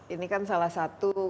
ini kan salah satu